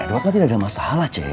edward kan tidak ada masalah ceng